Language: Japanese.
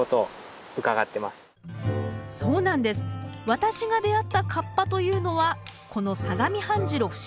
私が出会った河童というのはこの相模半白節